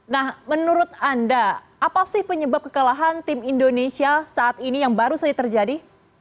nah menurut anda apa sih penyebab kekalahan tim indonesia saat ini yang baru saja terjadi